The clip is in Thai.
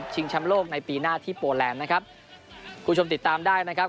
แชมป์โลกในปีหน้าที่โปรแลนด์นะครับคุณผู้ชมติดตามได้นะครับ